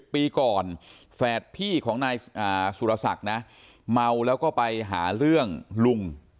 ๑๐ปีก่อนแฝดพี่ของนายสุทัศน์เนี่ยเมาแล้วก็ไปหาเรื่องลุง